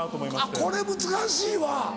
あっこれ難しいわ。